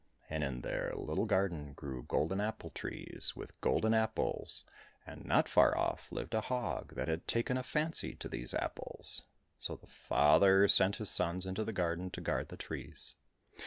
And in their little garden grew golden apple trees with golden apples, and not far off lived a hog that had taken a fancy to these apples. So the father sent his sons into the garden to guard the trees.